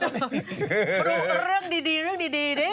รู้เรื่องดีดิ